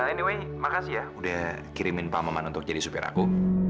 anyway makasih ya udah kirimin pamuman untuk jadi supir aku